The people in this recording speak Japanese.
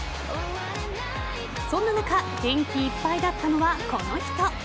そんな中元気いっぱいだったのはこの人。